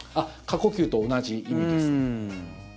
過呼吸と同じ意味ですね。